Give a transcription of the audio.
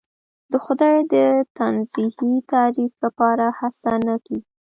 د خدای د تنزیهی تعریف لپاره هڅه نه کېږي.